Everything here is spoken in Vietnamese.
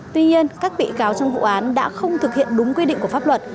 tuy nhiên các bị cáo trong vụ án đã không thực hiện đúng quy định của pháp luật